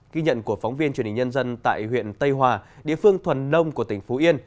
ghi nhận của phóng viên truyền hình nhân dân tại huyện tây hòa địa phương thuần nông của tỉnh phú yên